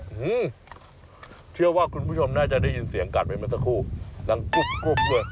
หือเชื่อว่าคุณผู้ชมน่าจะได้ยินเสียงกัดไปเมื่อสักครู่ดังกุ๊บด้วย